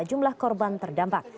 jumlah korban terdampak